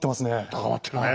高まってるね。